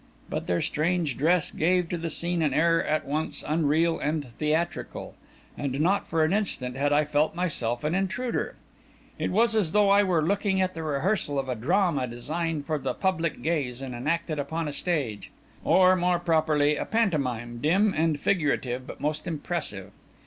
But their strange dress gave to the scene an air at once unreal and theatrical, and not for an instant had I felt myself an intruder. It was as though I were looking at the rehearsal of a drama designed for the public gaze and enacted upon a stage; or, more properly, a pantomime, dim and figurative, but most impressive.